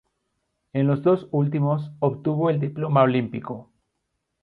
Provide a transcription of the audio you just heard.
En los dos últimos obtuvo el diploma olímpico.